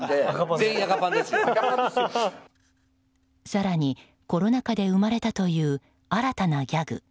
更にコロナ禍で生まれたという新たなギャグ